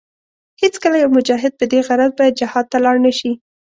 هېڅکله يو مجاهد په دې غرض باید جهاد ته لاړ نشي.